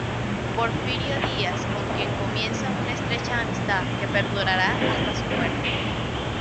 Porfirio Díaz con quien comienza una estrecha amistad que perdurará hasta su muerte.